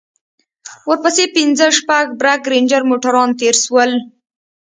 ورپسې پنځه شپږ برگ رېنجر موټران تېر سول.